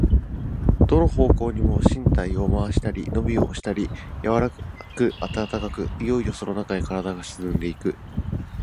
どの方向にも身体を廻したり、のびをしたりでき、柔かく暖かく、いよいよそのなかへ身体が沈んでいく。